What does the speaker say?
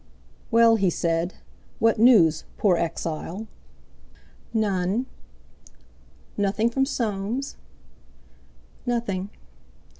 "Well," he said, "what news, poor exile?" "None." "Nothing from Soames?" "Nothing."